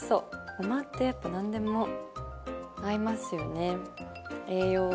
ごまって何でも合いますよね。